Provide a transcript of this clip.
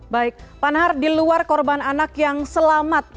baik panhar di luar korban anak yang selamat